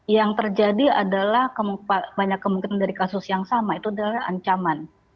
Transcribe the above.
yang terjadi adalah banyak kemungkinan dari kasus yang sama itu adalah ancaman